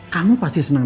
kamu pasti bisa mencari